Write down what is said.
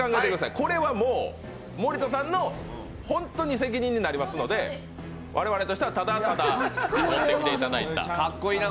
これは、もう森田さんの本当に責任になりますから我々としてはただただ持ってきていただいた。